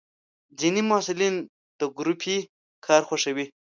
ځینې محصلین د ګروپي کار خوښوي.